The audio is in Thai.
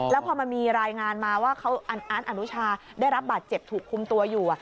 แล้วพอมันมีรายงานมาว่าอาร์ตอนุชาได้รับบาดเจ็บถูกคุมตัวอยู่